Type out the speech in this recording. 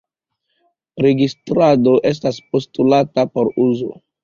Registrado estas postulata por uzo.